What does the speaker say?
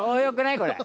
これ。